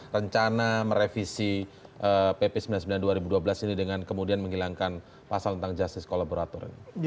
rencana merevisi pp sembilan puluh sembilan dua ribu dua belas ini dengan kemudian menghilangkan pasal tentang justice kolaborator ini